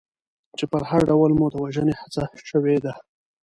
چې په هر ډول مو د وژنې هڅه شوې ده.